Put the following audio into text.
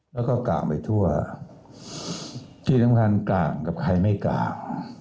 แล้วก็กลางไปทั่วที่สำคัญกลางกับใครไม่กลาง